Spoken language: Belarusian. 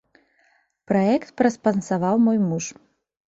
Праект праспансаваў мой муж.